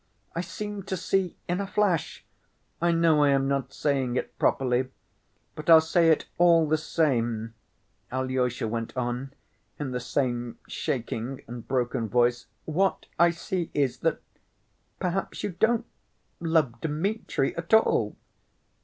I seemed to see in a flash ... I know I am not saying it properly, but I'll say it all the same," Alyosha went on in the same shaking and broken voice. "What I see is that perhaps you don't love Dmitri at all